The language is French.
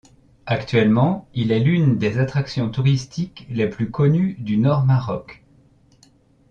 Actuellement, il est l'une des attractions touristiques les plus connues du Nord-Maroc.